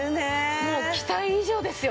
もう期待以上ですよ。